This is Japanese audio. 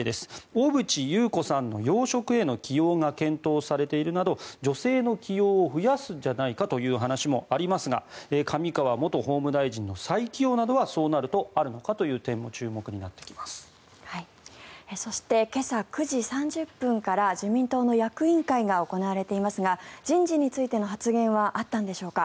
小渕優子さんの要職への起用が検討されているなど女性の起用を増やすんじゃないかという話もありますが上川元法務大臣の再起用もあるのではとそして今朝９時３０分から自民党の役員会が行われていますが人事についての発言はあったんでしょうか。